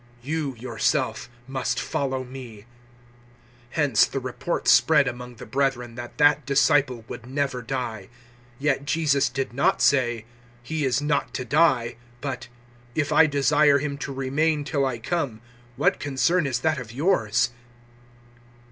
You, yourself, must follow me." 021:023 Hence the report spread among the brethren that that disciple would never die. Yet Jesus did not say, "He is not to die," but, "If I desire him to remain till I come, what concern is that of yours?"